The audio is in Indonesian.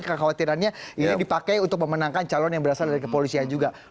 kekhawatirannya ini dipakai untuk memenangkan calon yang berasal dari kepolisian juga